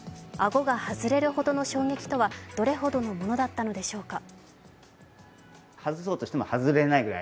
顎が外れるほどの衝撃とはどれほどのものだったのでしょうか。